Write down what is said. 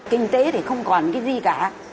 kinh tế thì không còn cái gì cả